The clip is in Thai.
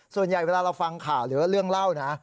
ส่วนใหญ่เวลาเราฟังข่าวหรือว่าเรื่องเล่านะ